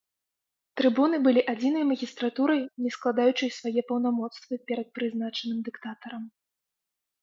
Трыбуны былі адзінай магістратурай, не складаючай свае паўнамоцтвы перад прызначаным дыктатарам.